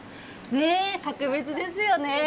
格別ですよね。